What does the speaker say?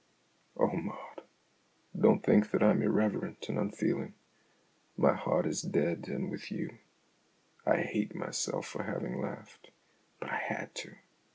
Oh, Maud, don't think that I'm irreverent and unfeeling. My heart is dead and with you. I hate myself for having laughed, but I had to.